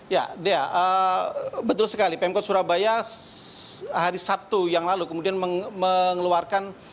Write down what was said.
ya dea betul sekali pemkot surabaya hari sabtu yang lalu kemudian mengeluarkan